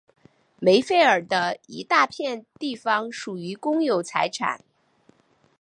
梅费尔的一大片地方属于公有财产。